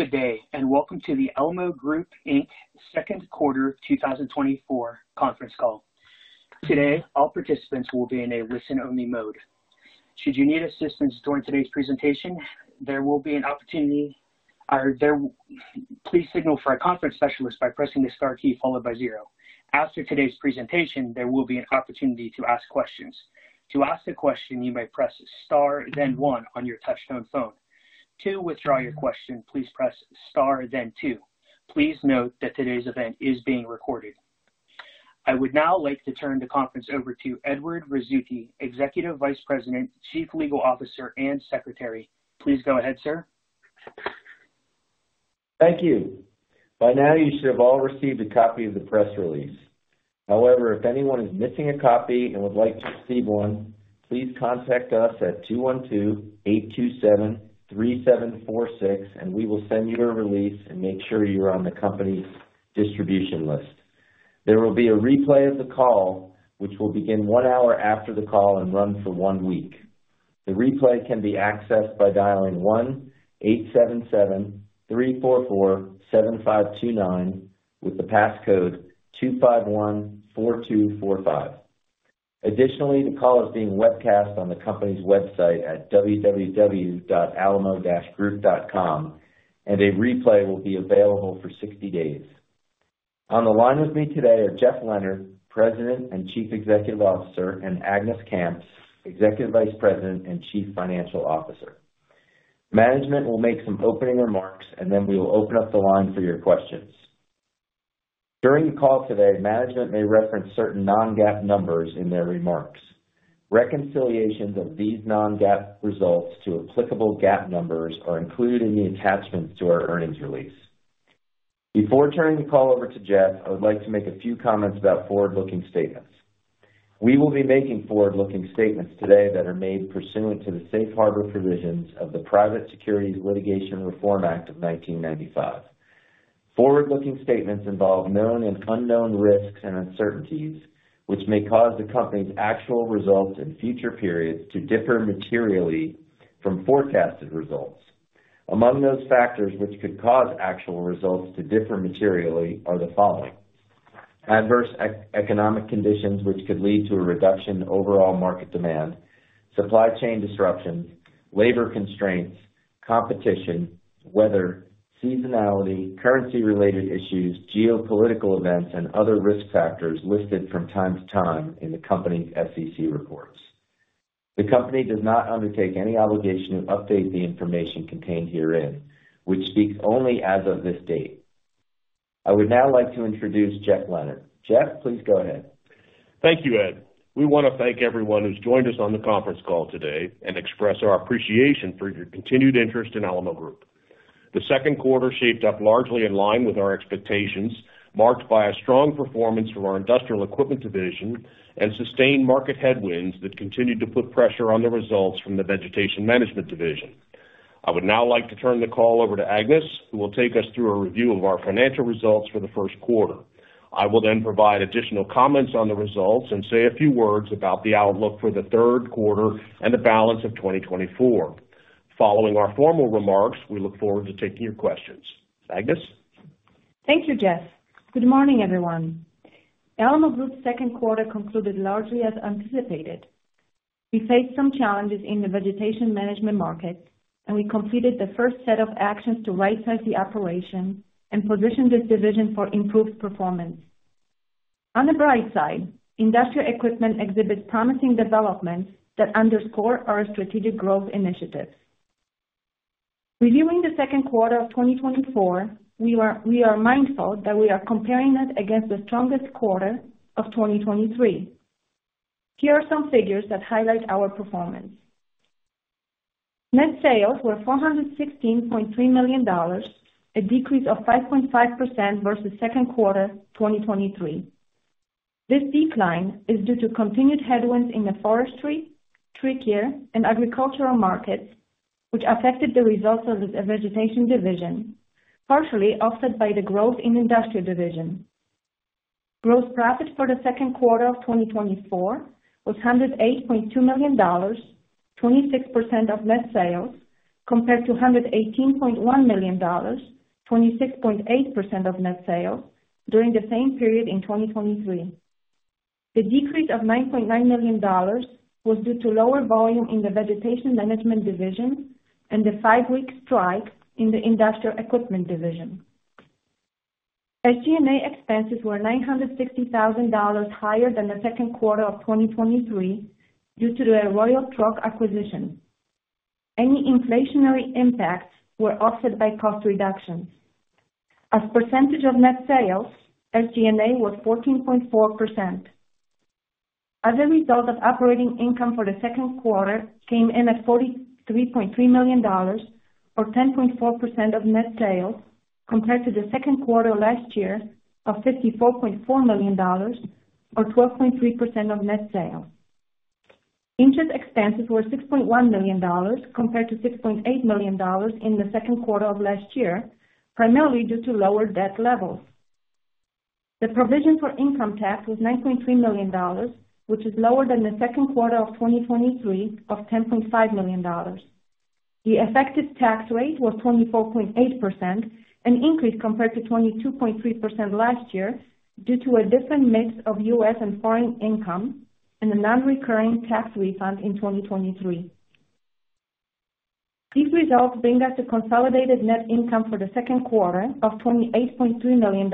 Good day, and welcome to the Alamo Group Inc. Second Quarter 2024 conference call. Today, all participants will be in a listen-only mode. Should you need assistance during today's presentation, there will be an opportunity. Please signal for a conference specialist by pressing the star key followed by zero. After today's presentation, there will be an opportunity to ask questions. To ask a question, you may press star, then one on your touch-tone phone. To withdraw your question, please press star, then two. Please note that today's event is being recorded. I would now like to turn the conference over to Edward Rizzuti, Executive Vice President, Chief Legal Officer, and Secretary. Please go ahead, sir. Thank you. By now, you should have all received a copy of the press release. However, if anyone is missing a copy and would like to receive one, please contact us at 212-827-3746, and we will send you a release and make sure you're on the company's distribution list. There will be a replay of the call, which will begin 1 hour after the call and run for 1 week. The replay can be accessed by dialing 1-877-344-7529 with the passcode 2514245. Additionally, the call is being webcast on the company's website at www.alamo-group.com, and a replay will be available for 60 days. On the line with me today are Jeff Leonard, President and Chief Executive Officer, and Agnes Kamps, Executive Vice President and Chief Financial Officer. Management will make some opening remarks, and then we will open up the line for your questions. During the call today, management may reference certain non-GAAP numbers in their remarks. Reconciliations of these non-GAAP results to applicable GAAP numbers are included in the attachments to our earnings release. Before turning the call over to Jeff, I would like to make a few comments about forward-looking statements. We will be making forward-looking statements today that are made pursuant to the safe harbor provisions of the Private Securities Litigation Reform Act of 1995. Forward-looking statements involve known and unknown risks and uncertainties, which may cause the company's actual results in future periods to differ materially from forecasted results. Among those factors which could cause actual results to differ materially are the following: adverse economic conditions which could lead to a reduction in overall market demand, supply chain disruptions, labor constraints, competition, weather, seasonality, currency-related issues, geopolitical events, and other risk factors listed from time to time in the company's SEC reports. The company does not undertake any obligation to update the information contained herein. We speak only as of this date. I would now like to introduce Jeff Leonard. Jeff, please go ahead. Thank you, Ed. We want to thank everyone who's joined us on the conference call today and express our appreciation for your continued interest in Alamo Group. The second quarter shaped up largely in line with our expectations, marked by a strong performance from our Industrial Equipment Division and sustained market headwinds that continued to put pressure on the results from the Vegetation Management Division. I would now like to turn the call over to Agnes, who will take us through a review of our financial results for the first quarter. I will then provide additional comments on the results and say a few words about the outlook for the third quarter and the balance of 2024. Following our formal remarks, we look forward to taking your questions. Agnes? Thank you, Jeff. Good morning, everyone. Alamo Group's second quarter concluded largely as anticipated. We faced some challenges in the vegetation management market, and we completed the first set of actions to right-size the operation and position this division for improved performance. On the bright side, industrial equipment exhibits promising developments that underscore our strategic growth initiatives. Reviewing the second quarter of 2024, we are mindful that we are comparing it against the strongest quarter of 2023. Here are some figures that highlight our performance. Net sales were $416.3 million, a decrease of 5.5% versus second quarter 2023. This decline is due to continued headwinds in the forestry, tree care, and agricultural markets, which affected the results of the vegetation division, partially offset by the growth in the industrial division. Gross profit for the second quarter of 2024 was $108.2 million, 26% of net sales, compared to $118.1 million, 26.8% of net sales, during the same period in 2023. The decrease of $9.9 million was due to lower volume in the Vegetation Management Division and the five-week strike in the Industrial Equipment Division. SG&A expenses were $960,000 higher than the second quarter of 2023 due to the Royal Truck acquisition. Any inflationary impacts were offset by cost reductions. As a percentage of net sales, SG&A was 14.4%. As a result, operating income for the second quarter came in at $43.3 million, or 10.4% of net sales, compared to the second quarter last year of $54.4 million, or 12.3% of net sales. Interest expenses were $6.1 million, compared to $6.8 million in the second quarter of last year, primarily due to lower debt levels. The provision for income tax was $9.3 million, which is lower than the second quarter of 2023 of $10.5 million. The effective tax rate was 24.8%, an increase compared to 22.3% last year due to a different mix of U.S. and foreign income and the non-recurring tax refund in 2023. These results bring us a consolidated net income for the second quarter of $28.3 million,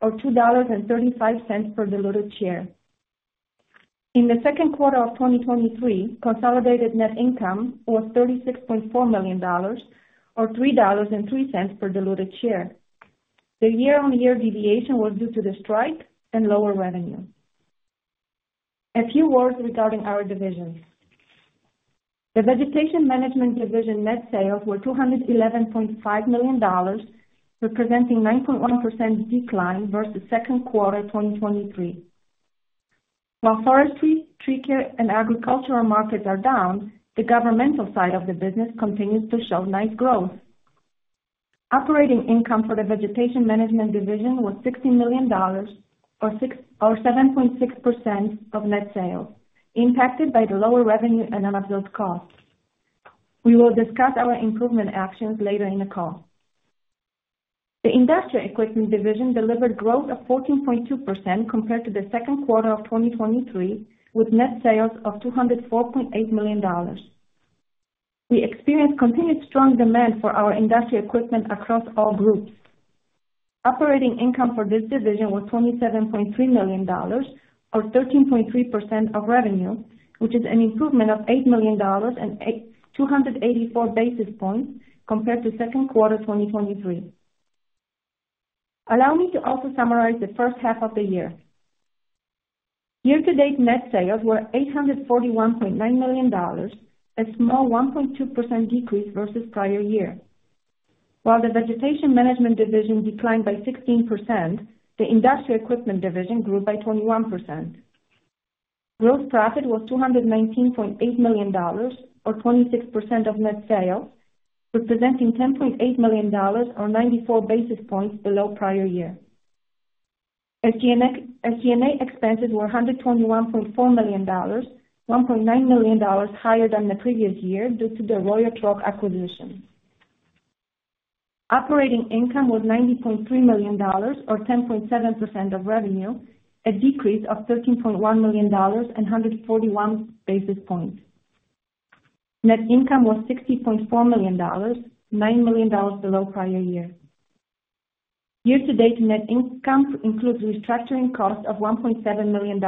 or $2.35 per diluted share. In the second quarter of 2023, consolidated net income was $36.4 million, or $3.03 per diluted share. The year-on-year deviation was due to the strike and lower revenue. A few words regarding our divisions. The Vegetation Management Division net sales were $211.5 million, representing a 9.1% decline versus second quarter 2023. While forestry, tree care, and agricultural markets are down, the governmental side of the business continues to show nice growth. Operating income for the vegetation management division was $60 million, or 7.6% of net sales, impacted by the lower revenue and unfilled costs. We will discuss our improvement actions later in the call. The industrial equipment division delivered growth of 14.2% compared to the second quarter of 2023, with net sales of $204.8 million. We experienced continued strong demand for our industrial equipment across all groups. Operating income for this division was $27.3 million, or 13.3% of revenue, which is an improvement of $8 million and 284 basis points compared to second quarter 2023. Allow me to also summarize the first half of the year. Year-to-date net sales were $841.9 million, a small 1.2% decrease versus prior year. While the vegetation management division declined by 16%, the industrial equipment division grew by 21%. Gross profit was $219.8 million, or 26% of net sales, representing $10.8 million, or 94 basis points below prior year. SG&A expenses were $121.4 million, $1.9 million higher than the previous year due to the Royal Truck acquisition. Operating income was $90.3 million, or 10.7% of revenue, a decrease of $13.1 million and 141 basis points. Net income was $60.4 million, $9 million below prior year. Year-to-date net income includes restructuring costs of $1.7 million.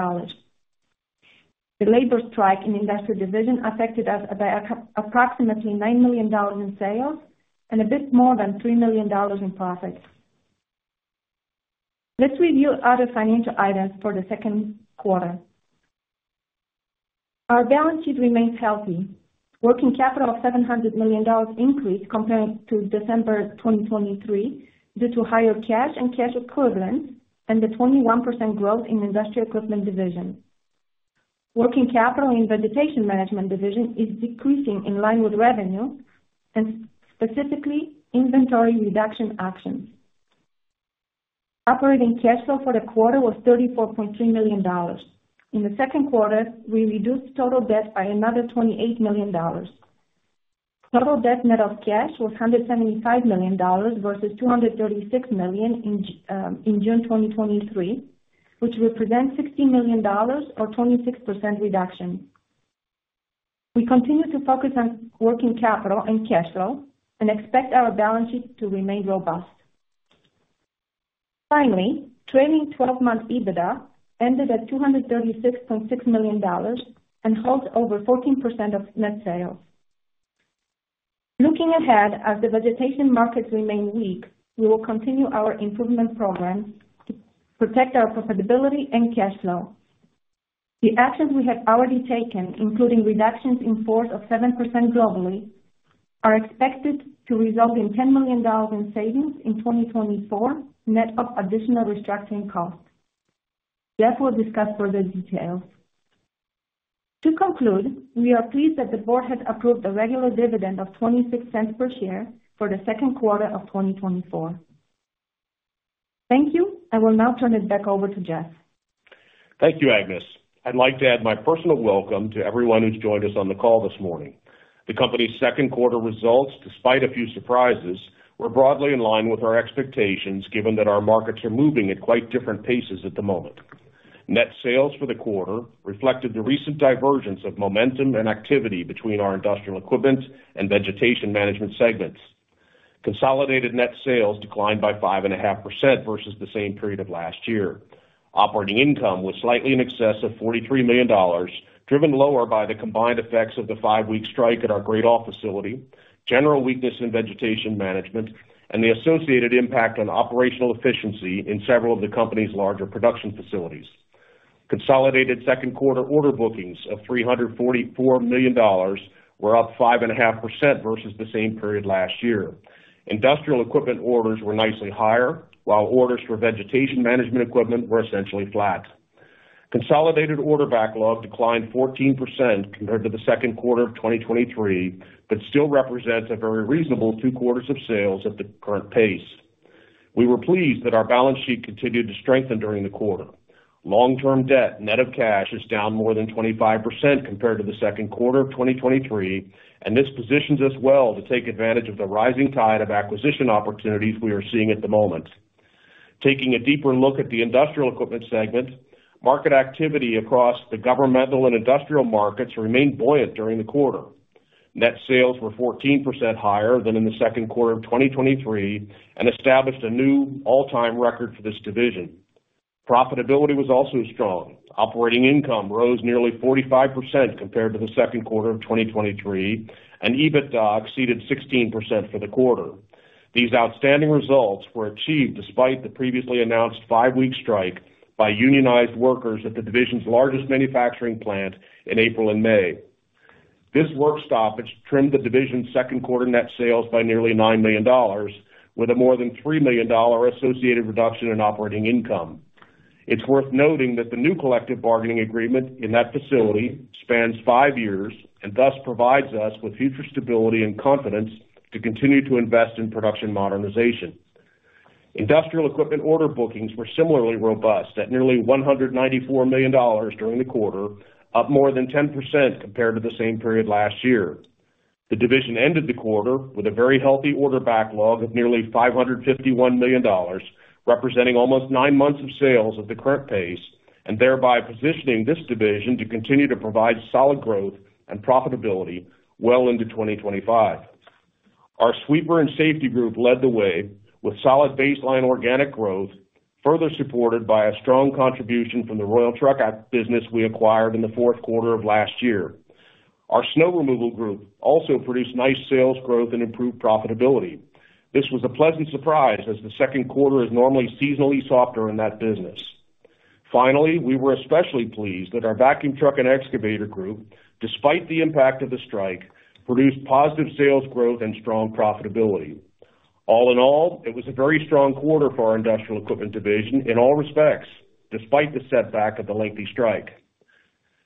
The labor strike in the industrial division affected us by approximately $9 million in sales and a bit more than $3 million in profits. Let's review other financial items for the second quarter. Our balance sheet remains healthy. Working capital of $700 million increased compared to December 2023 due to higher cash and cash equivalents and the 21% growth in the industrial equipment division. Working capital in the Vegetation Management Division is decreasing in line with revenue, and specifically inventory reduction actions. Operating Cash Flow for the quarter was $34.3 million. In the second quarter, we reduced total debt by another $28 million. Total debt net of cash was $175 million versus $236 million in June 2023, which represents $16 million, or 26% reduction. We continue to focus on working capital and cash flow and expect our balance sheet to remain robust. Finally, Trailing 12-Month EBITDA ended at $236.6 million and holds over 14% of net sales. Looking ahead, as the vegetation markets remain weak, we will continue our improvement programs to protect our profitability and cash flow. The actions we have already taken, including reductions in force of 7% globally, are expected to result in $10 million in savings in 2024 net of additional restructuring costs. Jeff will discuss further details. To conclude, we are pleased that the board has approved a regular dividend of $0.26 per share for the second quarter of 2024. Thank you. I will now turn it back over to Jeff. Thank you, Agnes. I'd like to add my personal welcome to everyone who's joined us on the call this morning. The company's second quarter results, despite a few surprises, were broadly in line with our expectations given that our markets are moving at quite different paces at the moment. Net sales for the quarter reflected the recent divergence of momentum and activity between our industrial equipment and vegetation management segments. Consolidated net sales declined by 5.5% versus the same period of last year. Operating income was slightly in excess of $43 million, driven lower by the combined effects of the five-week strike at our Gradall facility, general weakness in vegetation management, and the associated impact on operational efficiency in several of the company's larger production facilities. Consolidated second quarter order bookings of $344 million were up 5.5% versus the same period last year. Industrial equipment orders were nicely higher, while orders for vegetation management equipment were essentially flat. Consolidated order backlog declined 14% compared to the second quarter of 2023, but still represents a very reasonable two-quarters of sales at the current pace. We were pleased that our balance sheet continued to strengthen during the quarter. Long-term debt net of cash is down more than 25% compared to the second quarter of 2023, and this positions us well to take advantage of the rising tide of acquisition opportunities we are seeing at the moment. Taking a deeper look at the industrial equipment segment, market activity across the governmental and industrial markets remained buoyant during the quarter. Net sales were 14% higher than in the second quarter of 2023 and established a new all-time record for this division. Profitability was also strong. Operating income rose nearly 45% compared to the second quarter of 2023, and EBITDA exceeded 16% for the quarter. These outstanding results were achieved despite the previously announced 5-week strike by unionized workers at the division's largest manufacturing plant in April and May. This work stoppage trimmed the division's second quarter net sales by nearly $9 million, with a more than $3 million associated reduction in operating income. It's worth noting that the new collective bargaining agreement in that facility spans 5 years and thus provides us with future stability and confidence to continue to invest in production modernization. Industrial equipment order bookings were similarly robust at nearly $194 million during the quarter, up more than 10% compared to the same period last year. The division ended the quarter with a very healthy order backlog of nearly $551 million, representing almost nine months of sales at the current pace, and thereby positioning this division to continue to provide solid growth and profitability well into 2025. Our sweeper and safety group led the way with solid baseline organic growth, further supported by a strong contribution from the Royal Truck business we acquired in the fourth quarter of last year. Our snow removal group also produced nice sales growth and improved profitability. This was a pleasant surprise as the second quarter is normally seasonally softer in that business. Finally, we were especially pleased that our vacuum truck and excavator group, despite the impact of the strike, produced positive sales growth and strong profitability. All in all, it was a very strong quarter for our Industrial Equipment Division in all respects, despite the setback of the lengthy strike.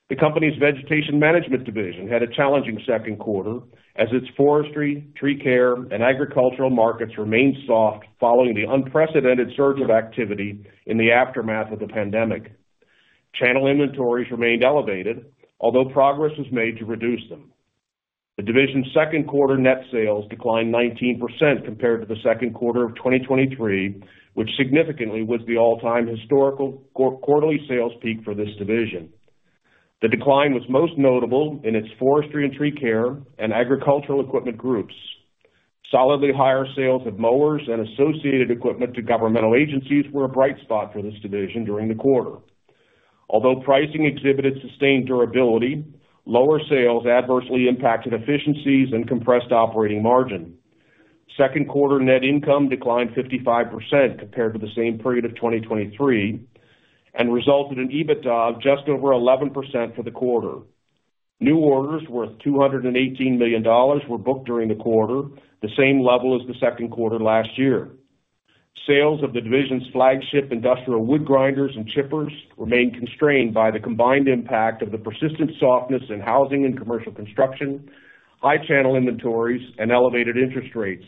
The company's Vegetation Management Division had a challenging second quarter as its forestry, tree care, and agricultural markets remained soft following the unprecedented surge of activity in the aftermath of the pandemic. Channel inventories remained elevated, although progress was made to reduce them. The division's second quarter net sales declined 19% compared to the second quarter of 2023, which significantly was the all-time historical quarterly sales peak for this division. The decline was most notable in its forestry and tree care and agricultural equipment groups. Solidly higher sales of mowers and associated equipment to governmental agencies were a bright spot for this division during the quarter. Although pricing exhibited sustained durability, lower sales adversely impacted efficiencies and compressed operating margin. Second quarter net income declined 55% compared to the same period of 2023 and resulted in EBITDA of just over 11% for the quarter. New orders worth $218 million were booked during the quarter, the same level as the second quarter last year. Sales of the division's flagship industrial wood grinders and chippers remained constrained by the combined impact of the persistent softness in housing and commercial construction, high channel inventories, and elevated interest rates.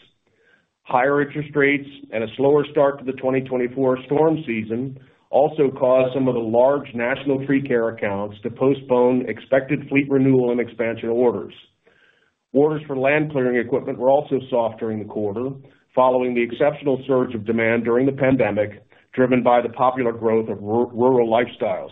Higher interest rates and a slower start to the 2024 storm season also caused some of the large national tree care accounts to postpone expected fleet renewal and expansion orders. Orders for land clearing equipment were also soft during the quarter, following the exceptional surge of demand during the pandemic driven by the popular growth of rural lifestyles.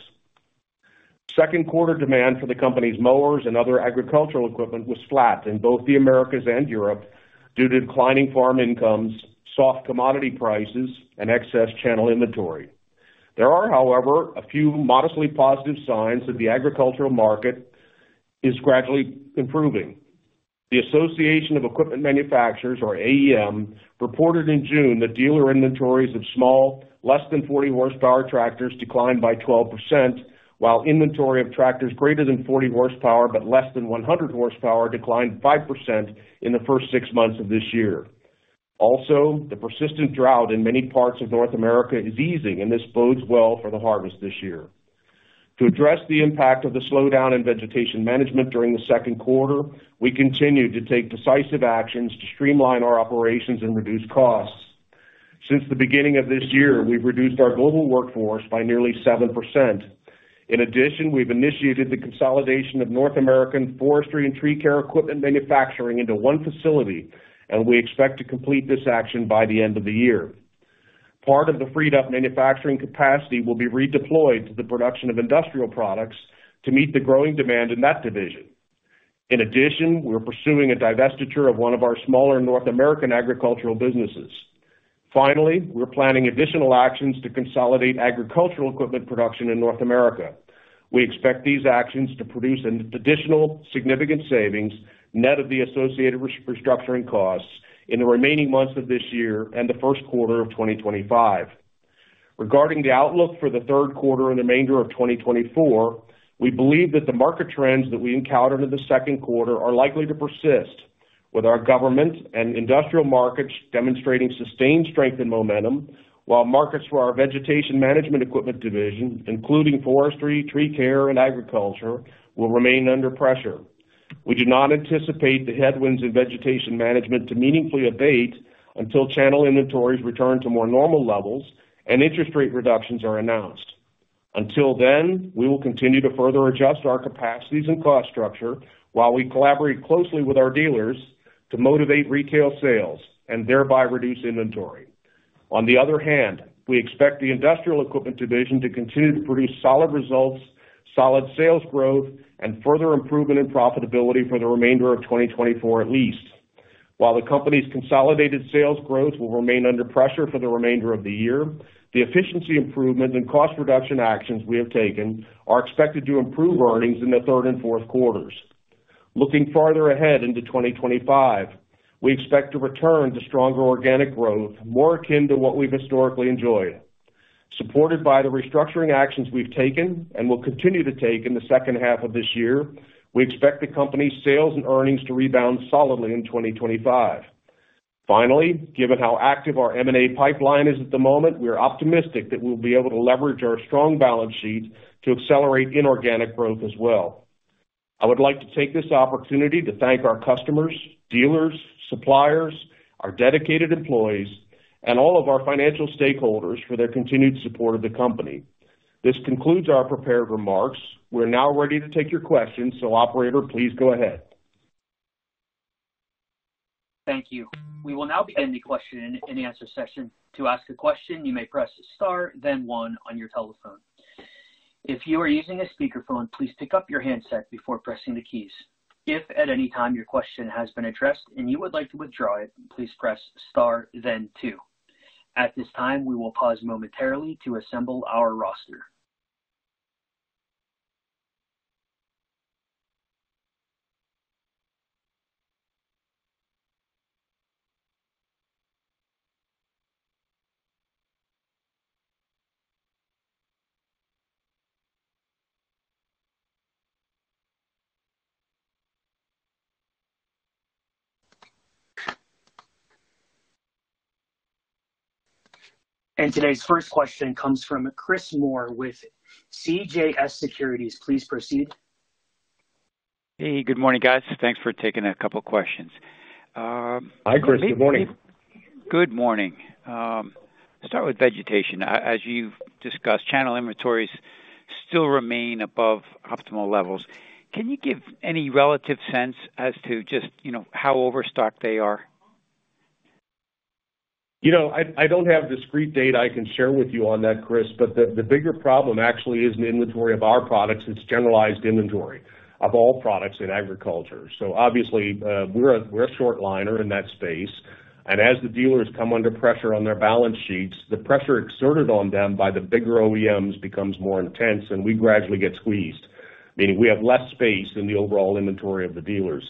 Second quarter demand for the company's mowers and other agricultural equipment was flat in both the Americas and Europe due to declining farm incomes, soft commodity prices, and excess channel inventory. There are, however, a few modestly positive signs that the agricultural market is gradually improving. The Association of Equipment Manufacturers, or AEM, reported in June that dealer inventories of small, less than 40-horsepower tractors declined by 12%, while inventory of tractors greater than 40 horsepower but less than 100 horsepower declined 5% in the first six months of this year. Also, the persistent drought in many parts of North America is easing, and this bodes well for the harvest this year. To address the impact of the slowdown in vegetation management during the second quarter, we continue to take decisive actions to streamline our operations and reduce costs. Since the beginning of this year, we've reduced our global workforce by nearly 7%. In addition, we've initiated the consolidation of North American forestry and tree care equipment manufacturing into one facility, and we expect to complete this action by the end of the year. Part of the freed-up manufacturing capacity will be redeployed to the production of industrial products to meet the growing demand in that division. In addition, we're pursuing a divestiture of one of our smaller North American agricultural businesses. Finally, we're planning additional actions to consolidate agricultural equipment production in North America. We expect these actions to produce additional significant savings net of the associated restructuring costs in the remaining months of this year and the first quarter of 2025. Regarding the outlook for the third quarter and remainder of 2024, we believe that the market trends that we encountered in the second quarter are likely to persist, with our government and industrial markets demonstrating sustained strength and momentum, while markets for our Vegetation Management Equipment Division, including forestry, tree care, and agriculture, will remain under pressure. We do not anticipate the headwinds in vegetation management to meaningfully abate until channel inventories return to more normal levels and interest rate reductions are announced. Until then, we will continue to further adjust our capacities and cost structure while we collaborate closely with our dealers to motivate retail sales and thereby reduce inventory. On the other hand, we expect the Industrial Equipment Division to continue to produce solid results, solid sales growth, and further improvement in profitability for the remainder of 2024 at least. While the company's consolidated sales growth will remain under pressure for the remainder of the year, the efficiency improvements and cost reduction actions we have taken are expected to improve earnings in the third and fourth quarters. Looking farther ahead into 2025, we expect to return to stronger organic growth, more akin to what we've historically enjoyed. Supported by the restructuring actions we've taken and will continue to take in the second half of this year, we expect the company's sales and earnings to rebound solidly in 2025. Finally, given how active our M&A pipeline is at the moment, we are optimistic that we'll be able to leverage our strong balance sheet to accelerate inorganic growth as well. I would like to take this opportunity to thank our customers, dealers, suppliers, our dedicated employees, and all of our financial stakeholders for their continued support of the company. This concludes our prepared remarks. We're now ready to take your questions, so Operator, please go ahead. Thank you. We will now begin the question and answer session. To ask a question, you may press Star, then 1 on your telephone. If you are using a speakerphone, please pick up your handset before pressing the keys. If at any time your question has been addressed and you would like to withdraw it, please press Star, then 2. At this time, we will pause momentarily to assemble our roster. And today's first question comes from Chris Moore with CJS Securities. Please proceed. Hey, good morning, guys. Thanks for taking a couple of questions. Hi, Chris. Good morning. Good morning. Start with vegetation. As you've discussed, channel inventories still remain above optimal levels. Can you give any relative sense as to just how overstocked they are? You know, I don't have discrete data I can share with you on that, Chris, but the bigger problem actually isn't inventory of our products. It's generalized inventory of all products in agriculture. So obviously, we're a short liner in that space. And as the dealers come under pressure on their balance sheets, the pressure exerted on them by the bigger OEMs becomes more intense, and we gradually get squeezed, meaning we have less space in the overall inventory of the dealers.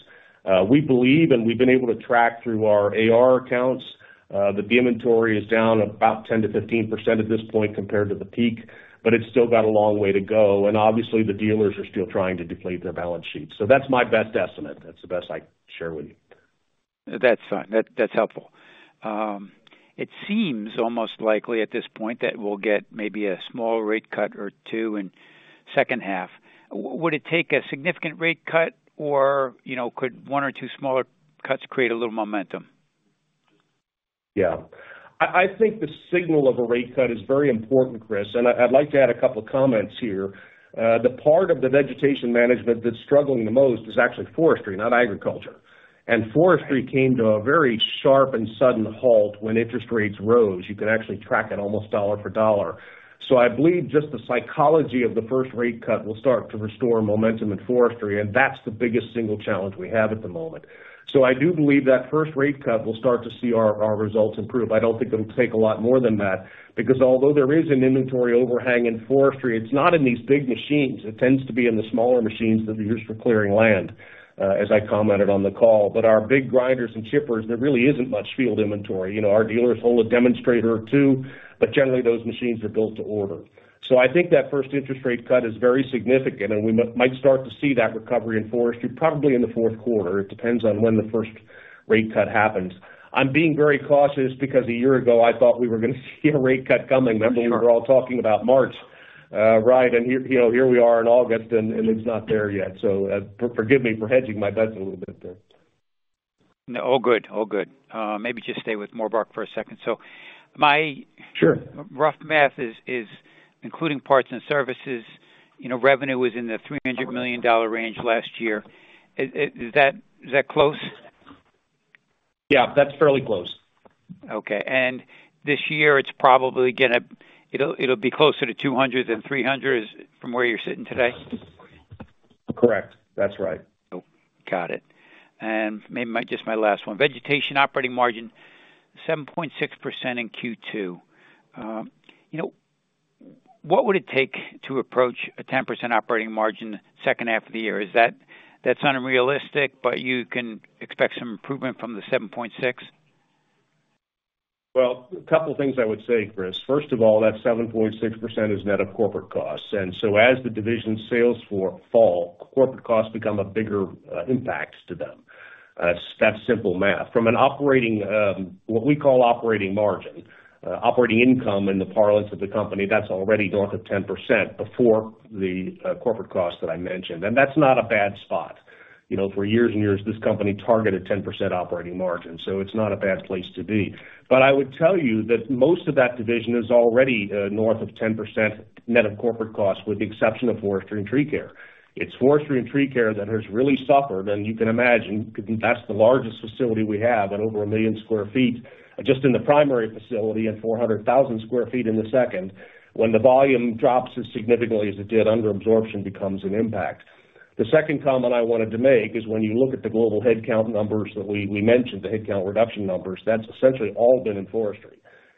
We believe, and we've been able to track through our AR accounts, that the inventory is down about 10%-15% at this point compared to the peak, but it's still got a long way to go. And obviously, the dealers are still trying to deflate their balance sheets. So that's my best estimate. That's the best I can share with you. That's fine. That's helpful. It seems almost likely at this point that we'll get maybe a small rate cut or two in the second half. Would it take a significant rate cut, or could one or two smaller cuts create a little momentum? Yeah. I think the signal of a rate cut is very important, Chris, and I'd like to add a couple of comments here. The part of the vegetation management that's struggling the most is actually forestry, not agriculture. And forestry came to a very sharp and sudden halt when interest rates rose. You can actually track it almost dollar for dollar. So I believe just the psychology of the first rate cut will start to restore momentum in forestry, and that's the biggest single challenge we have at the moment. So I do believe that first rate cut will start to see our results improve. I don't think it'll take a lot more than that because although there is an inventory overhang in forestry, it's not in these big machines. It tends to be in the smaller machines that are used for clearing land, as I commented on the call. But our big grinders and chippers, there really isn't much field inventory. Our dealers hold a demonstrator or two, but generally, those machines are built to order. So I think that first interest rate cut is very significant, and we might start to see that recovery in forestry probably in the fourth quarter. It depends on when the first rate cut happens. I'm being very cautious because a year ago, I thought we were going to see a rate cut coming. Remember, we were all talking about March, right? And here we are in August, and it's not there yet. So forgive me for hedging my bets a little bit there. All good. All good. Maybe just stay with Morbark for a second. So my rough math is, including parts and services, revenue was in the $300 million range last year. Is that close? Yeah, that's fairly close. Okay. This year, it's probably going to be closer to 200 than 300 from where you're sitting today? Correct. That's right. Got it. And just my last one. Vegetation operating margin, 7.6% in Q2. What would it take to approach a 10% operating margin second half of the year? Is that unrealistic, but you can expect some improvement from the 7.6? Well, a couple of things I would say, Chris. First of all, that 7.6% is net of corporate costs. And so as the division's sales fall, corporate costs become a bigger impact to them. That's simple math. From what we call operating margin, operating income in the parlance of the company, that's already north of 10% before the corporate costs that I mentioned. And that's not a bad spot. For years and years, this company targeted 10% operating margin, so it's not a bad place to be. But I would tell you that most of that division is already north of 10% net of corporate costs, with the exception of forestry and tree care. It's forestry and tree care that has really suffered, and you can imagine that's the largest facility we have at over 1 million sq ft just in the primary facility and 400,000 sq ft in the second. When the volume drops as significantly as it did, under absorption becomes an impact. The second comment I wanted to make is when you look at the global headcount numbers that we mentioned, the headcount reduction numbers, that's essentially all been in forestry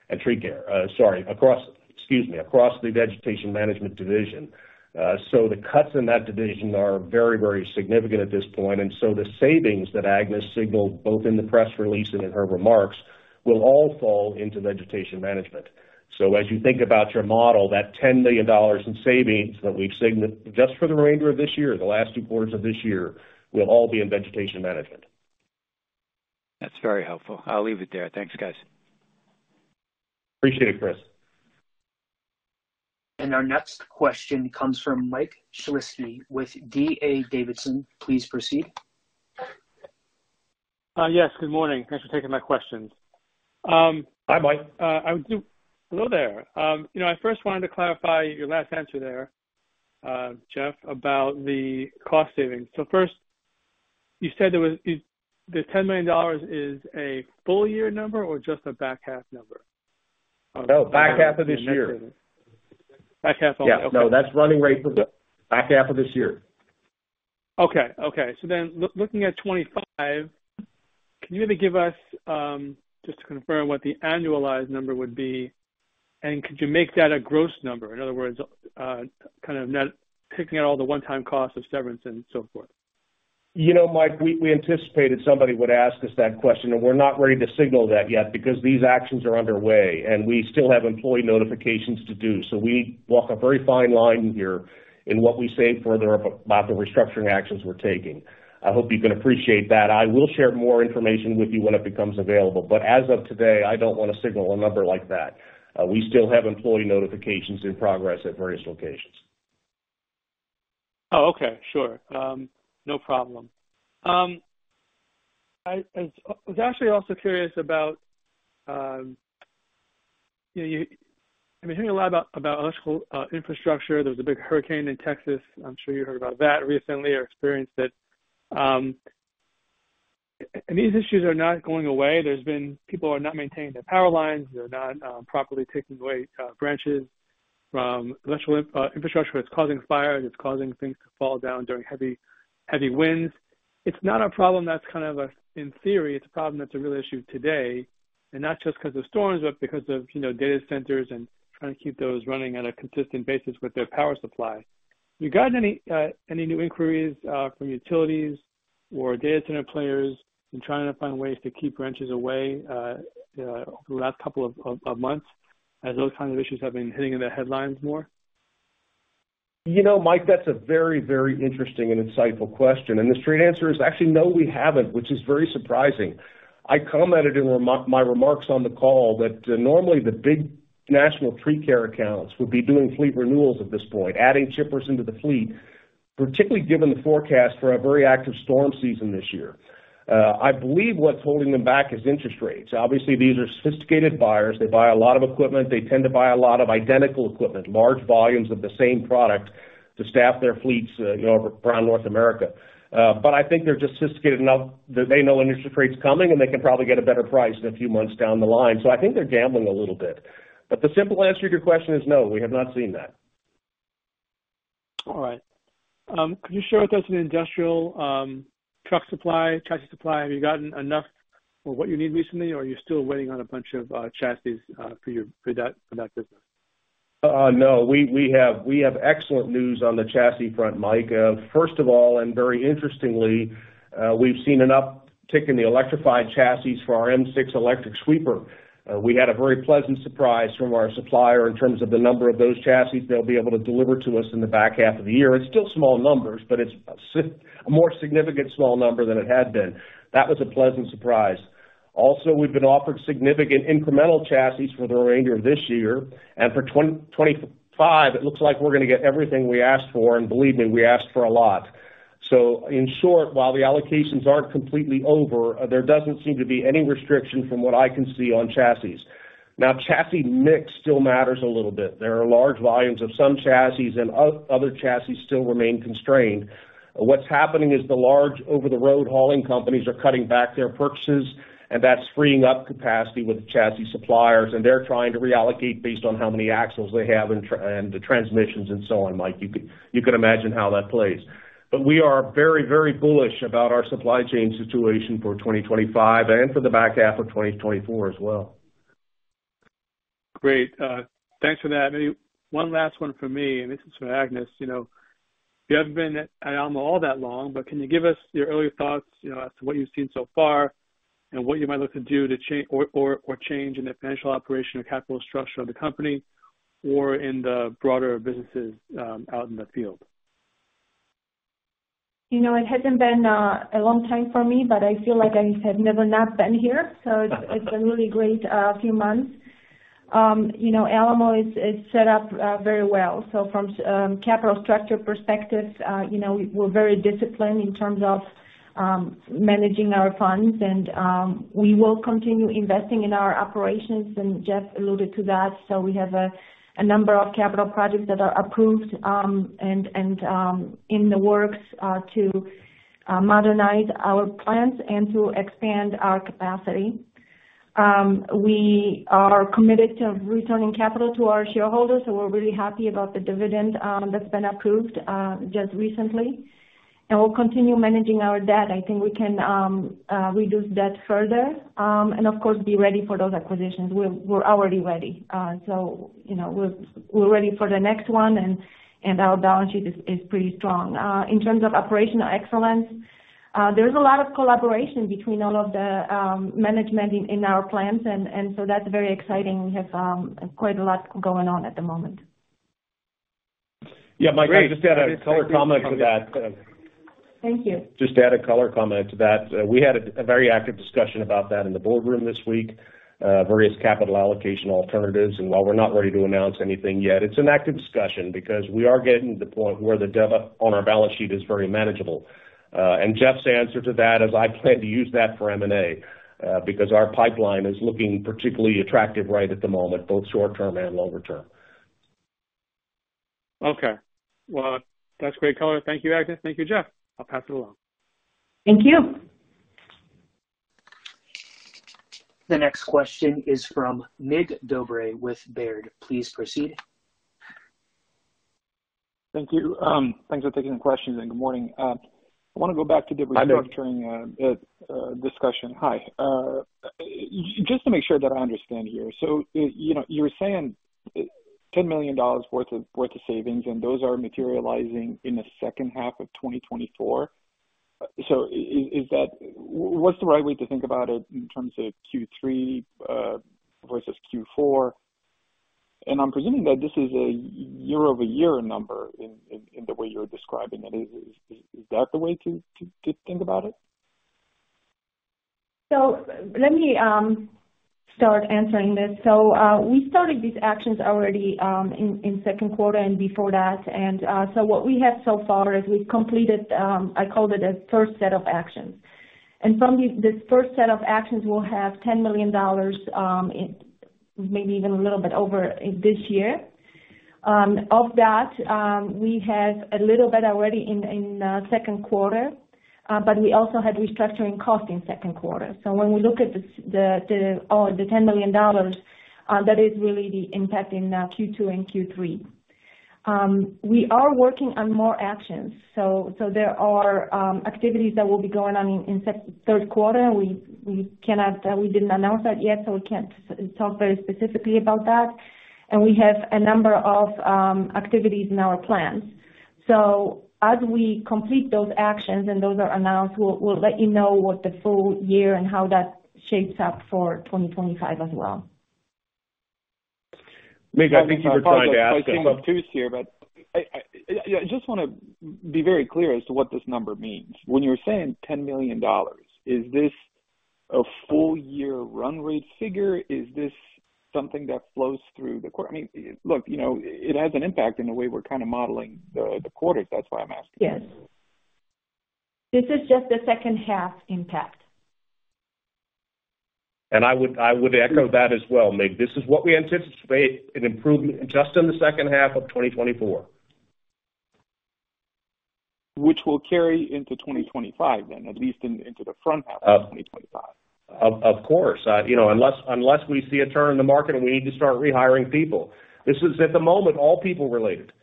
and tree care, sorry, excuse me, across the Vegetation Management Division. So the cuts in that division are very, very significant at this point. And so the savings that Agnes signaled both in the press release and in her remarks will all fall into vegetation management. So as you think about your model, that $10 million in savings that we've signaled just for the remainder of this year, the last two quarters of this year, will all be in vegetation management. That's very helpful. I'll leave it there. Thanks, guys. Appreciate it, Chris. Our next question comes from Mike Shlisky with D.A. Davidson. Please proceed. Yes, good morning. Thanks for taking my questions. Hi, Mike. Hello there. I first wanted to clarify your last answer there, Jeff, about the cost savings. So first, you said the $10 million is a full year number or just a back half number? No, back half of this year. Back half only. Okay. No, that's run rate. Yeah, back half of this year. Okay. Okay. So then looking at 2025, can you maybe give us just to confirm what the annualized number would be? And could you make that a gross number? In other words, kind of picking out all the one-time costs of severance and so forth. You know, Mike, we anticipated somebody would ask us that question, and we're not ready to signal that yet because these actions are underway, and we still have employee notifications to do. So we walk a very fine line here in what we say further about the restructuring actions we're taking. I hope you can appreciate that. I will share more information with you when it becomes available. But as of today, I don't want to signal a number like that. We still have employee notifications in progress at various locations. Oh, okay. Sure. No problem. I was actually also curious about, I mean, hearing a lot about electrical infrastructure. There was a big hurricane in Texas. I'm sure you heard about that recently or experienced it. And these issues are not going away. There's been people who are not maintaining their power lines. They're not properly taking away branches from electrical infrastructure. It's causing fires. It's causing things to fall down during heavy winds. It's not a problem that's kind of, in theory, it's a problem that's a real issue today, and not just because of storms, but because of data centers and trying to keep those running on a consistent basis with their power supply. Have you gotten any new inquiries from utilities or data center players in trying to find ways to keep branches away over the last couple of months as those kinds of issues have been hitting the headlines more? You know, Mike, that's a very, very interesting and insightful question. And the straight answer is actually, no, we haven't, which is very surprising. I commented in my remarks on the call that normally the big national tree care accounts would be doing fleet renewals at this point, adding chippers into the fleet, particularly given the forecast for a very active storm season this year. I believe what's holding them back is interest rates. Obviously, these are sophisticated buyers. They buy a lot of equipment. They tend to buy a lot of identical equipment, large volumes of the same product to staff their fleets around North America. But I think they're just sophisticated enough that they know interest rates coming, and they can probably get a better price in a few months down the line. So I think they're gambling a little bit. But the simple answer to your question is no, we have not seen that. All right. Could you share with us the industrial truck supply, chassis supply? Have you gotten enough for what you need recently, or are you still waiting on a bunch of chassis for that business? No, we have excellent news on the chassis front, Mike. First of all, and very interestingly, we've seen an uptick in the electrified chassis for our M6 Electric Sweeper. We had a very pleasant surprise from our supplier in terms of the number of those chassis they'll be able to deliver to us in the back half of the year. It's still small numbers, but it's a more significant small number than it had been. That was a pleasant surprise. Also, we've been offered significant incremental chassis for the remainder of this year. And for 2025, it looks like we're going to get everything we asked for, and believe me, we asked for a lot. So in short, while the allocations aren't completely over, there doesn't seem to be any restriction from what I can see on chassis. Now, chassis mix still matters a little bit. There are large volumes of some chassis, and other chassis still remain constrained. What's happening is the large over-the-road hauling companies are cutting back their purchases, and that's freeing up capacity with chassis suppliers. They're trying to reallocate based on how many axles they have and the transmissions and so on, Mike. You can imagine how that plays. But we are very, very bullish about our supply chain situation for 2025 and for the back half of 2024 as well. Great. Thanks for that. One last one for me, and this is for Agnes. You haven't been at Alamo all that long, but can you give us your early thoughts as to what you've seen so far and what you might look to do or change in the financial operation or capital structure of the company or in the broader businesses out in the field? You know, it hasn't been a long time for me, but I feel like I have never not been here. So it's been really great a few months. You know, Alamo is set up very well. So from a capital structure perspective, we're very disciplined in terms of managing our funds, and we will continue investing in our operations. And Jeff alluded to that. So we have a number of capital projects that are approved and in the works to modernize our plants and to expand our capacity. We are committed to returning capital to our shareholders, so we're really happy about the dividend that's been approved just recently. And we'll continue managing our debt. I think we can reduce debt further and, of course, be ready for those acquisitions. We're already ready. So we're ready for the next one, and our balance sheet is pretty strong. In terms of operational excellence, there's a lot of collaboration between all of the management in our plants, and so that's very exciting. We have quite a lot going on at the moment. Yeah, Mike, I just add a color comment to that. Thank you. Just add a color comment to that. We had a very active discussion about that in the boardroom this week, various capital allocation alternatives. And while we're not ready to announce anything yet, it's an active discussion because we are getting to the point where the debt on our balance sheet is very manageable. And Jeff's answer to that is, "I plan to use that for M&A because our pipeline is looking particularly attractive right at the moment, both short-term and longer-term. Okay. Well, that's great color. Thank you, Agnes. Thank you, Jeff. I'll pass it along. Thank you. The next question is from Mig Dobre with Baird. Please proceed. Thank you. Thanks for taking the question, and good morning. I want to go back to the restructuring discussion. Hi. Just to make sure that I understand here. So you were saying $10 million worth of savings, and those are materializing in the second half of 2024. So what's the right way to think about it in terms of Q3 versus Q4? And I'm presuming that this is a year-over-year number in the way you're describing it. Is that the way to think about it? So let me start answering this. So we started these actions already in second quarter and before that. And so what we have so far is we've completed, I called it a first set of actions. And from this first set of actions, we'll have $10 million, maybe even a little bit over this year. Of that, we have a little bit already in second quarter, but we also had restructuring costs in second quarter. So when we look at the $10 million, that is really the impact in Q2 and Q3. We are working on more actions. So there are activities that will be going on in third quarter. We didn't announce that yet, so we can't talk very specifically about that. And we have a number of activities in our plans. So as we complete those actions and those are announced, we'll let you know what the full year and how that shapes up for 2025 as well. Mig, I think you were trying to ask something. I think I came up to here, but I just want to be very clear as to what this number means. When you're saying $10 million, is this a full-year run rate figure? Is this something that flows through the quarter? I mean, look, it has an impact in the way we're kind of modeling the quarters. That's why I'm asking. Yes. This is just the second-half impact. I would echo that as well. This is what we anticipate: an improvement just in the second half of 2024. Which will carry into 2025 then, at least into the front half of 2025. Of course. Unless we see a turn in the market and we need to start rehiring people. This is, at the moment, all people related.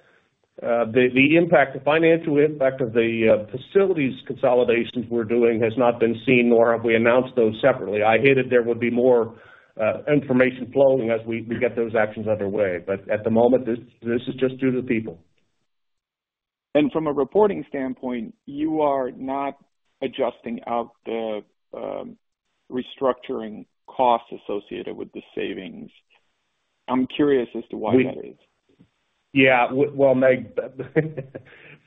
The impact, the financial impact of the facilities consolidations we're doing has not been seen, nor have we announced those separately. I hate to say there would be more information flowing as we get those actions underway. But at the moment, this is just due to the people. From a reporting standpoint, you are not adjusting out the restructuring costs associated with the savings. I'm curious as to why that is. Yeah. Well,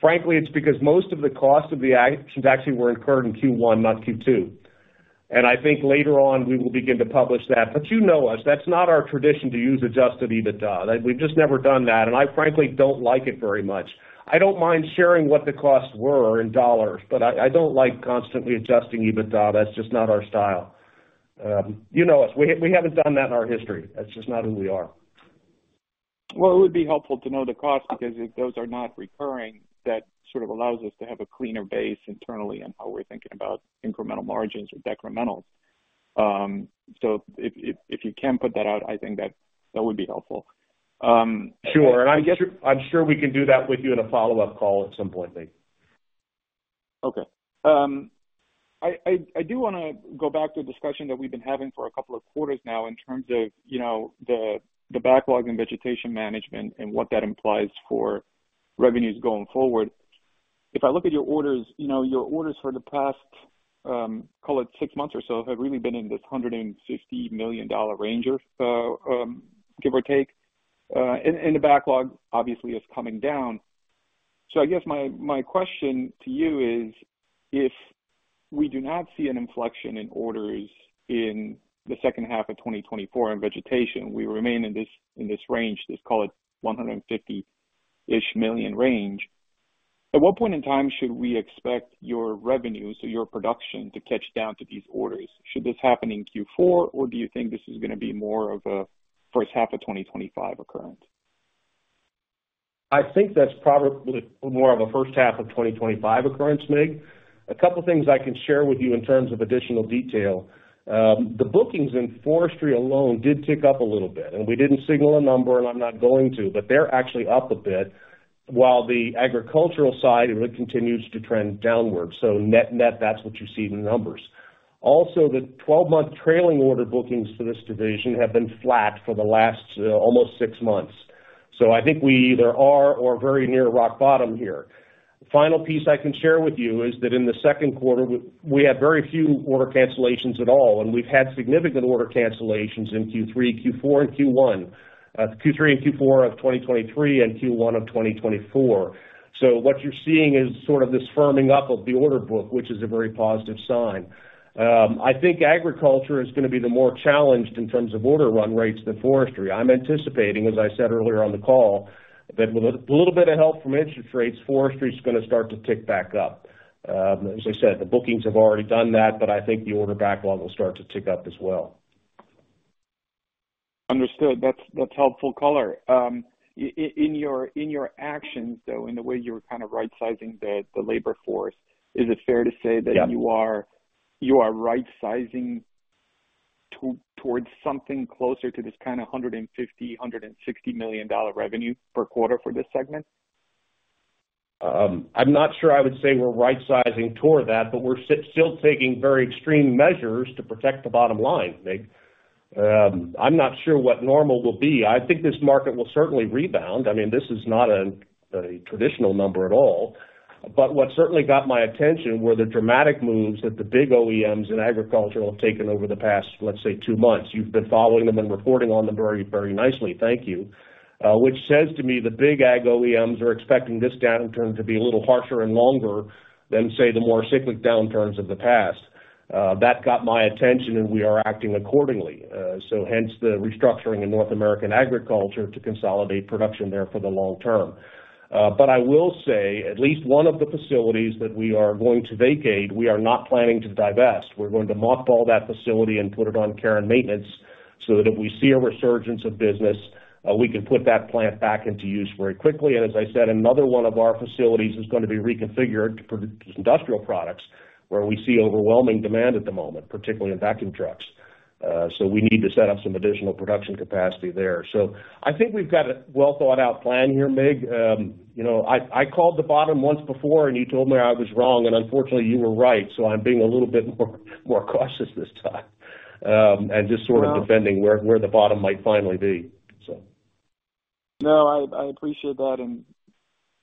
frankly, it's because most of the costs of the actions actually were incurred in Q1, not Q2. And I think later on, we will begin to publish that. But you know us. That's not our tradition to use Adjusted EBITDA. We've just never done that. And I, frankly, don't like it very much. I don't mind sharing what the costs were in dollars, but I don't like constantly adjusting EBITDA. That's just not our style. You know us. We haven't done that in our history. That's just not who we are. Well, it would be helpful to know the costs because if those are not recurring, that sort of allows us to have a cleaner base internally on how we're thinking about incremental margins or decrementals. So if you can put that out, I think that would be helpful. Sure. I'm sure we can do that with you in a follow-up call at some point, Mike. Okay. I do want to go back to the discussion that we've been having for a couple of quarters now in terms of the backlog and vegetation management and what that implies for revenues going forward. If I look at your orders, your orders for the past, call it six months or so, have really been in this $150 million range, give or take. The backlog, obviously, is coming down. I guess my question to you is, if we do not see an inflection in orders in the second half of 2024 in vegetation, we remain in this range, let's call it $150-ish million range. At what point in time should we expect your revenue, so your production, to catch down to these orders? Should this happen in Q4, or do you think this is going to be more of a first half of 2025 occurrence? I think that's probably more of a first half of 2025 occurrence, Mig. A couple of things I can share with you in terms of additional detail. The bookings in forestry alone did tick up a little bit. We didn't signal a number, and I'm not going to, but they're actually up a bit, while the agricultural side continues to trend downward. Net-net, that's what you see in the numbers. Also, the 12-month Trailing order bookings for this division have been flat for the last almost 6 months. I think we either are or are very near rock bottom here. The final piece I can share with you is that in the second quarter, we had very few order cancellations at all, and we've had significant order cancellations in Q3, Q4, and Q1, Q3 and Q4 of 2023 and Q1 of 2024. So what you're seeing is sort of this firming up of the order book, which is a very positive sign. I think agriculture is going to be the more challenged in terms of order run rates than forestry. I'm anticipating, as I said earlier on the call, that with a little bit of help from interest rates, forestry is going to start to tick back up. As I said, the bookings have already done that, but I think the order backlog will start to tick up as well. Understood. That's helpful color. In your actions, though, in the way you're kind of right-sizing the labor force, is it fair to say that you are right-sizing towards something closer to this kind of $150-$160 million revenue per quarter for this segment? I'm not sure I would say we're right-sizing toward that, but we're still taking very extreme measures to protect the bottom line, Mig. I'm not sure what normal will be. I think this market will certainly rebound. I mean, this is not a traditional number at all. But what certainly got my attention were the dramatic moves that the big OEMs in agriculture have taken over the past, let's say, 2 months. You've been following them and reporting on them very, very nicely. Thank you. Which says to me the big Ag OEMs are expecting this downturn to be a little harsher and longer than, say, the more cyclic downturns of the past. That got my attention, and we are acting accordingly. So hence the restructuring in North American agriculture to consolidate production there for the long term. But I will say, at least one of the facilities that we are going to vacate, we are not planning to divest. We're going to mothball that facility and put it on care and maintenance so that if we see a resurgence of business, we can put that plant back into use very quickly. And as I said, another one of our facilities is going to be reconfigured to produce industrial products where we see overwhelming demand at the moment, particularly in vacuum trucks. So we need to set up some additional production capacity there. So I think we've got a well-thought-out plan here, Mig. I called the bottom once before, and you told me I was wrong, and unfortunately, you were right. So I'm being a little bit more cautious this time and just sort of defending where the bottom might finally be, so. No, I appreciate that. And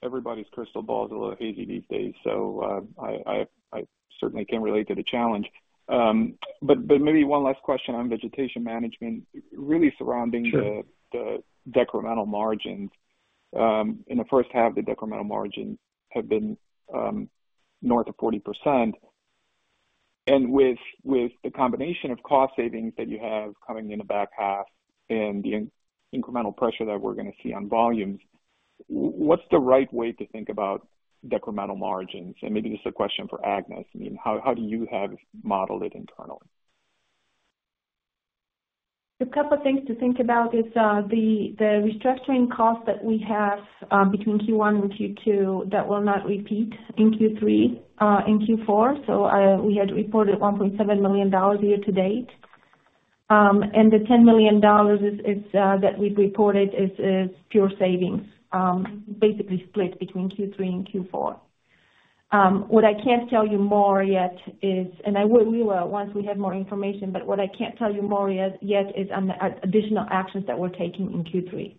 everybody's crystal balls are a little hazy these days, so I certainly can relate to the challenge. But maybe one last question on vegetation management, really surrounding the decremental margins. In the first half, the decremental margins have been north of 40%. And with the combination of cost savings that you have coming in the back half and the incremental pressure that we're going to see on volumes, what's the right way to think about decremental margins? And maybe this is a question for Agnes. I mean, how do you have modeled it internally? A couple of things to think about is the restructuring costs that we have between Q1 and Q2 that will not repeat in Q3 and Q4. So we had reported $1.7 million year to date. And the $10 million that we've reported is pure savings, basically split between Q3 and Q4. What I can't tell you more yet is, and I will once we have more information, but what I can't tell you more yet is on the additional actions that we're taking in Q3.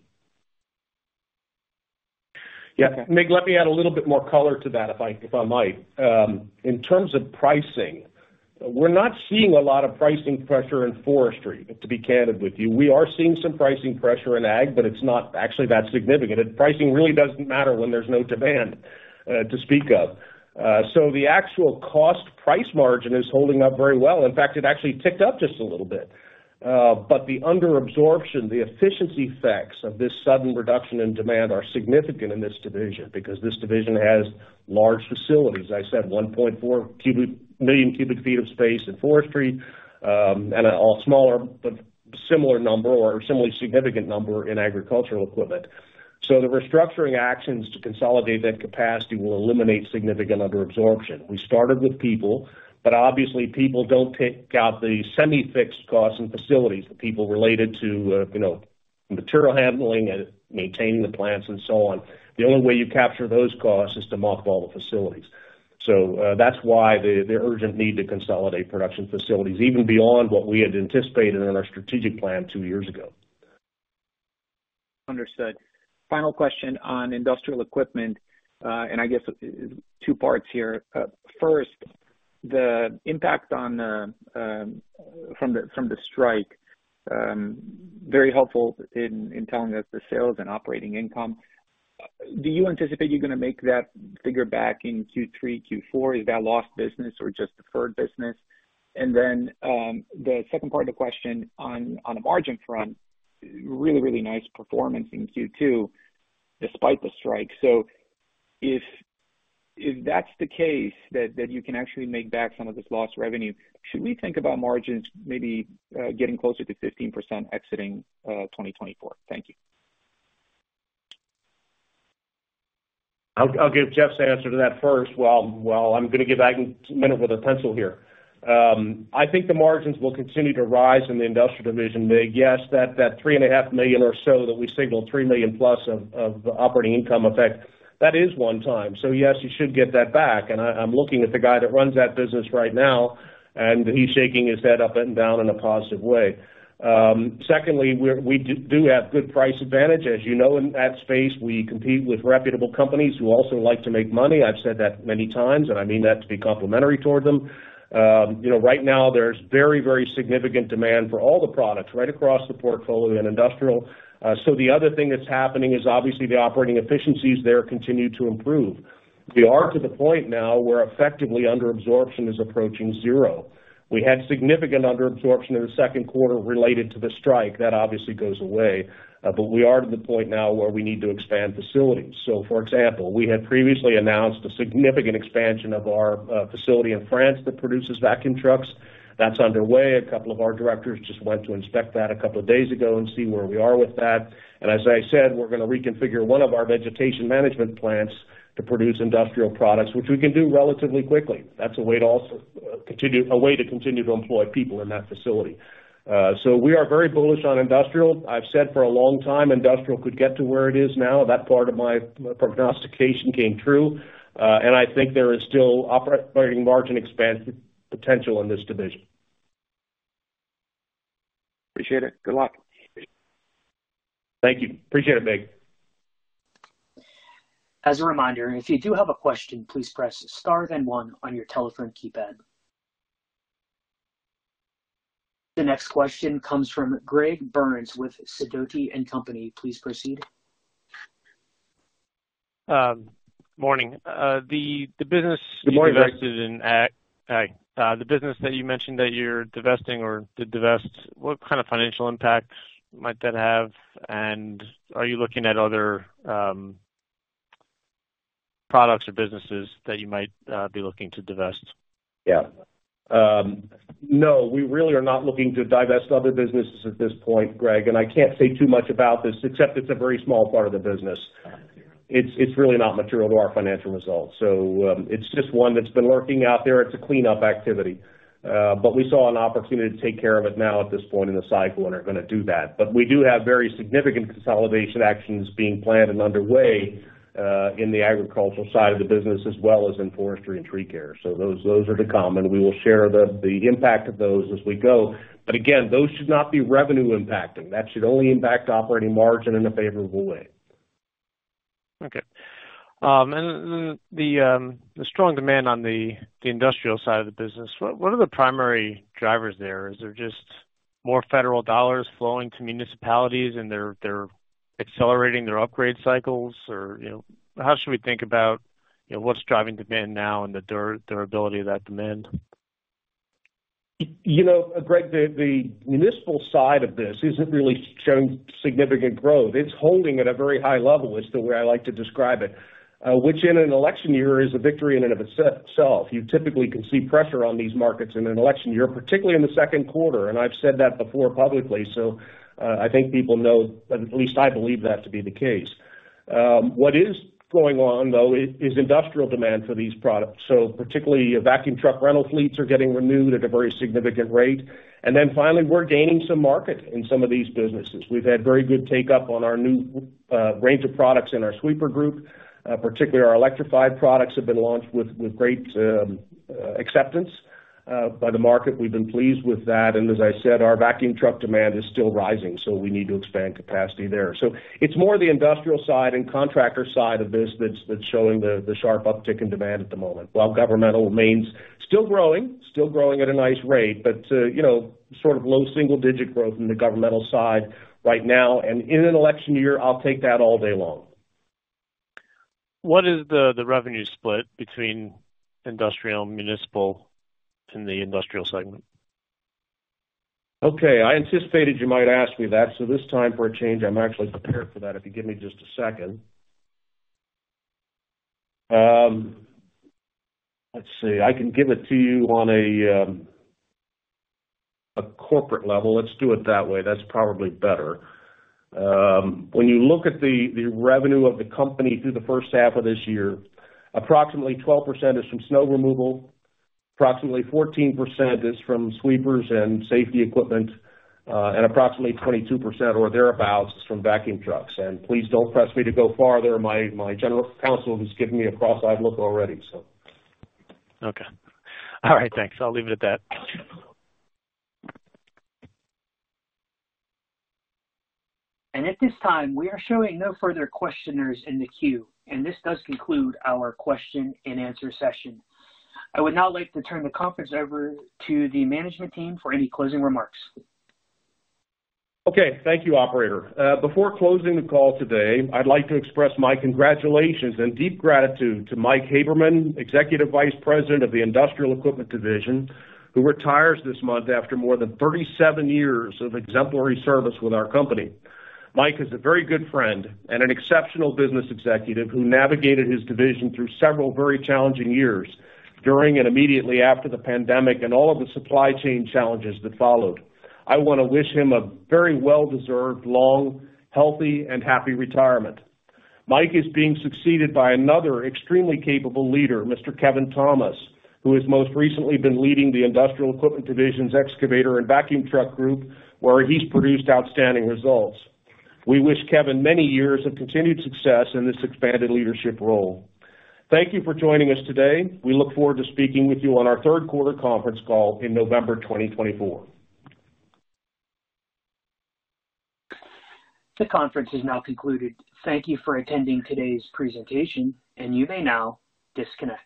Yeah. Mig, let me add a little bit more color to that, if I might. In terms of pricing, we're not seeing a lot of pricing pressure in forestry, to be candid with you. We are seeing some pricing pressure in Ag, but it's not actually that significant. Pricing really doesn't matter when there's no demand to speak of. So the actual cost-price margin is holding up very well. In fact, it actually ticked up just a little bit. But the under absorption, the efficiency effects of this sudden reduction in demand are significant in this division because this division has large facilities. I said 1.4 million cubic feet of space in forestry and a smaller but similar number or a similarly significant number in agricultural equipment. So the restructuring actions to consolidate that capacity will eliminate significant under absorption. We started with people, but obviously, people don't take out the semi-fixed costs and facilities, the people related to material handling and maintaining the plants and so on. The only way you capture those costs is to mock all the facilities. So that's why the urgent need to consolidate production facilities, even beyond what we had anticipated in our strategic plan two years ago. Understood. Final question on industrial equipment. And I guess two parts here. First, the impact from the strike, very helpful in telling us the sales and operating income. Do you anticipate you're going to make that figure back in Q3, Q4? Is that lost business or just deferred business? And then the second part of the question on the margin front, really, really nice performance in Q2 despite the strike. So if that's the case, that you can actually make back some of this lost revenue, should we think about margins maybe getting closer to 15% exiting 2024? Thank you. I'll give Jeff's answer to that first. Well, I'm going to get back in a minute with a pencil here. I think the margins will continue to rise in the industrial division. Yes, that $3.5 million or so that we signaled, $3 million plus of operating income effect, that is one time. So yes, you should get that back. And I'm looking at the guy that runs that business right now, and he's shaking his head up and down in a positive way. Secondly, we do have good price advantage. As you know, in that space, we compete with reputable companies who also like to make money. I've said that many times, and I mean that to be complimentary toward them. Right now, there's very, very significant demand for all the products right across the portfolio in industrial. So the other thing that's happening is obviously the operating efficiencies there continue to improve. We are to the point now where effectively underabsorption is approaching zero. We had significant underabsorption in the second quarter related to the strike. That obviously goes away. But we are to the point now where we need to expand facilities. So for example, we had previously announced a significant expansion of our facility in France that produces vacuum trucks. That's underway. A couple of our directors just went to inspect that a couple of days ago and see where we are with that. And as I said, we're going to reconfigure one of our vegetation management plants to produce industrial products, which we can do relatively quickly. That's a way to continue to employ people in that facility. So we are very bullish on industrial. I've said for a long time industrial could get to where it is now. That part of my prognostication came true. I think there is still operating margin expansion potential in this division. Appreciate it. Good luck. Thank you. Appreciate it, Mig. As a reminder, if you do have a question, please press star then one on your telephone keypad. The next question comes from Greg Burns with Sidoti & Company. Please proceed. Morning. The business. Good morning, Greg. Divested in ag. The business that you mentioned that you're divesting or did divest, what kind of financial impact might that have? And are you looking at other products or businesses that you might be looking to divest? Yeah. No, we really are not looking to divest other businesses at this point, Greg. And I can't say too much about this, except it's a very small part of the business. It's really not material to our financial results. So it's just one that's been lurking out there. It's a cleanup activity. But we saw an opportunity to take care of it now at this point in the cycle and are going to do that. But we do have very significant consolidation actions being planned and underway in the agricultural side of the business as well as in forestry and tree care. So those are the common. We will share the impact of those as we go. But again, those should not be revenue impacting. That should only impact operating margin in a favorable way. Okay. The strong demand on the industrial side of the business, what are the primary drivers there? Is there just more federal dollars flowing to municipalities and they're accelerating their upgrade cycles? Or how should we think about what's driving demand now and the durability of that demand? Greg, the municipal side of this isn't really showing significant growth. It's holding at a very high level is the way I like to describe it, which in an election year is a victory in and of itself. You typically can see pressure on these markets in an election year, particularly in the second quarter. And I've said that before publicly. So I think people know, at least I believe that to be the case. What is going on, though, is industrial demand for these products. So particularly vacuum truck rental fleets are getting renewed at a very significant rate. And then finally, we're gaining some market in some of these businesses. We've had very good take-up on our new range of products in our Sweeper Group. Particularly, our electrified products have been launched with great acceptance by the market. We've been pleased with that. And as I said, our vacuum truck demand is still rising, so we need to expand capacity there. So it's more the industrial side and contractor side of this that's showing the sharp uptick in demand at the moment. While governmental remains still growing, still growing at a nice rate, but sort of low single-digit growth in the governmental side right now. And in an election year, I'll take that all day long. What is the revenue split between industrial, municipal, and the industrial segment? Okay. I anticipated you might ask me that. So this time for a change, I'm actually prepared for that. If you give me just a second. Let's see. I can give it to you on a corporate level. Let's do it that way. That's probably better. When you look at the revenue of the company through the first half of this year, approximately 12% is from snow removal, approximately 14% is from sweepers and safety equipment, and approximately 22% or thereabouts is from vacuum trucks. And please don't press me to go farther. My general counsel has given me a cross-eyed look already, so. Okay. All right. Thanks. I'll leave it at that. At this time, we are showing no further questioners in the queue. This does conclude our question and answer session. I would now like to turn the conference over to the management team for any closing remarks. Okay. Thank you, Operator. Before closing the call today, I'd like to express my congratulations and deep gratitude to Mike Haberman, Executive Vice President of the Industrial Equipment Division, who retires this month after more than 37 years of exemplary service with our company. Mike is a very good friend and an exceptional business executive who navigated his division through several very challenging years during and immediately after the pandemic and all of the supply chain challenges that followed. I want to wish him a very well-deserved, long, healthy, and happy retirement. Mike is being succeeded by another extremely capable leader, Mr. Kevin Thomas, who has most recently been leading the Industrial Equipment Division's Excavator and Vacuum Truck Group, where he's produced outstanding results. We wish Kevin many years of continued success in this expanded leadership role. Thank you for joining us today. We look forward to speaking with you on our third quarter conference call in November 2024. The conference is now concluded. Thank you for attending today's presentation, and you may now disconnect.